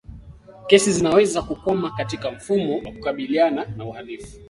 Kesi zinaweza kukwama katika mfumo wa kukabiliana na uhalifu